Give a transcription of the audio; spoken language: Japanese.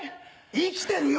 生きてるよ！